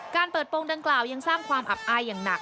การเปิดโปรงดังกล่าวยังสร้างความอับอายอย่างหนัก